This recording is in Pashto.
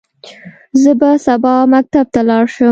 زه به سبا مکتب ته لاړ شم.